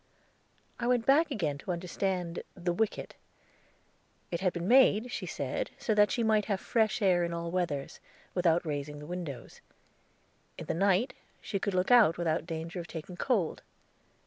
I went back again to understand the wicket. It had been made, she said, so that she might have fresh air in all weathers, without raising the windows. In the night she could look out without danger of taking cold.